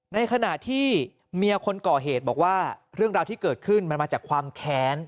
ในขณะที่เมียคนก่อเหตุบอกว่าเรื่องราวที่เกิดขึ้นมันมาจากความแค้น